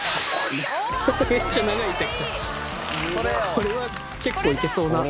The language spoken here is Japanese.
これは結構いけそうな。